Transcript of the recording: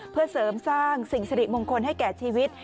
เพื่อเสริมสร้างสิ่งสิริมงคลให้แก่ชีวิต